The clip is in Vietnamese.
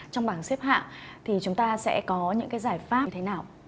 trong bảng xếp hạng thì chúng ta sẽ có những cái giải pháp như thế nào